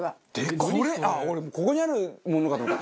俺ここにあるものかと思った。